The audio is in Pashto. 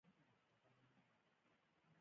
علم د اخلاقي روزنې اساس دی.